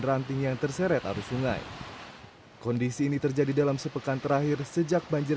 ranting yang terseret arus sungai kondisi ini terjadi dalam sepekan terakhir sejak banjir